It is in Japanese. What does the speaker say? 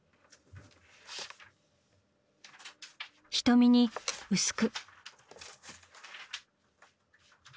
瞳に薄く。